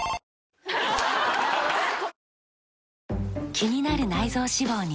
気になる内臓脂肪に。